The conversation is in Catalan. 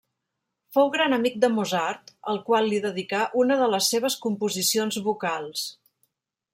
Fou gran amic de Mozart, el qual li dedicà una de les seves composicions vocals.